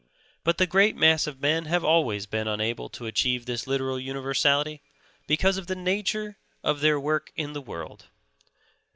But the great mass of men have always been unable to achieve this literal universality, because of the nature of their work in the world.